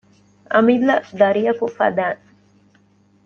އަމިއްލަ ދަރިއަކު ފަދައިން